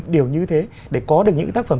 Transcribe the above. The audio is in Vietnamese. điều như thế để có được những tác phẩm